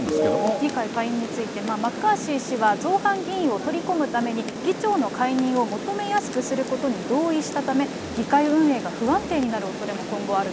議会下院について、マッカーシー氏は造反議員を取り込むために、議長の解任を求めやすくすることに同意したため、議会運営が不安定になるおそれも今後あると。